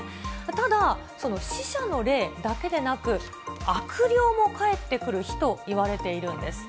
ただ、その死者の霊だけでなく、悪霊も帰ってくる日といわれているんです。